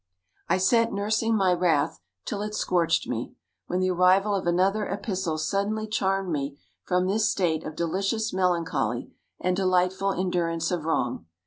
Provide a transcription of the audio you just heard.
I sat "nursing my wrath," till it scorched me; when the arrival of another epistle suddenly charmed me from this state of delicious melancholy and delightful endurance of wrong.